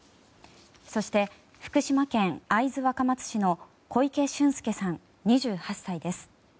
そして福島県会津若松市の小池駿介さん、２８歳です。